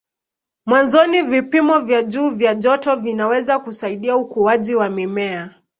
Mwanzoni vipimo vya juu vya joto vinaweza kusaidia ukuaji wa mimea.